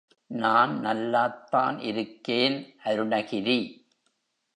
நான் நல்லாத்தான் இருக்கேன் அருணகிரி.